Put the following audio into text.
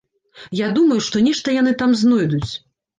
Я думаю, што нешта яны там знойдуць.